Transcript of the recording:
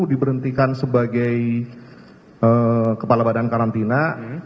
diberhentikan sebagai kepala badan karantina